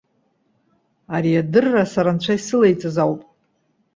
Ари адырра, сара Анцәа исылаиҵаз ауп.